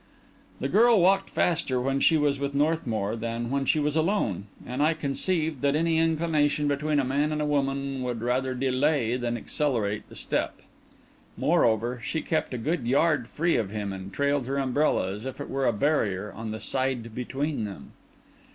The girl walked faster when she was with Northmour than when she was alone; and I conceived that any inclination between a man and a woman would rather delay than accelerate the step. Moreover, she kept a good yard free of him, and trailed her umbrella, as if it were a barrier, on the side between them.